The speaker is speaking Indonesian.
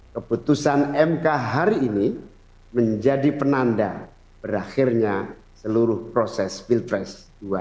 keputusan mk hari ini menjadi penanda berakhirnya seluruh proses pilpres dua ribu sembilan belas